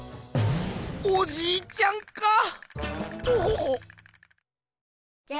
おじいちゃんかトホホ。